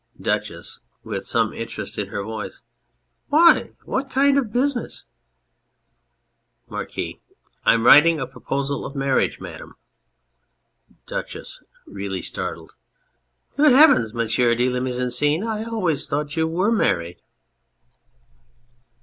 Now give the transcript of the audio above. DUCHESS (with some interest in her voice). Why ? What kind of business ? MARQUIS. I'm writing a proposal of marriat Madam. DUCHESS (really startled]. Good heavens, Monsieui de la Mise en Scene ! I always thought you were married